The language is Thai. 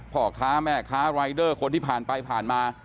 พ่อค้าแม่ค้ารายเดอร์คนที่ผ่านไปผ่านมา